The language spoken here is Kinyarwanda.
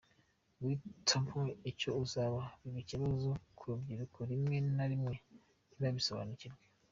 Guhitamo icyo uzaba biba ikibazo ku rubyiruko rimwe na rimwe ntibabisobanukirwe”.